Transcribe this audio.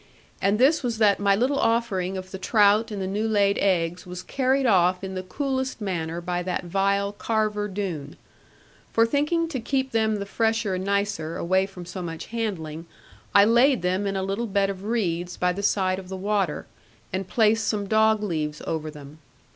And this was that my little offering of the trout and the new laid eggs was carried off in the coolest manner by that vile Carver Doone. For thinking to keep them the fresher and nicer, away from so much handling, I laid them in a little bed of reeds by the side of the water, and placed some dog leaves over them.